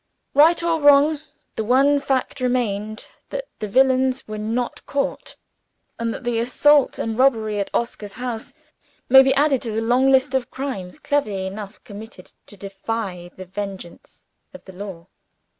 Right or wrong, the one fact remains that the villains were not caught, and that the assault and robbery at Oscar's house may be added to the long list of crimes cleverly enough committed to defy the vengeance of the law.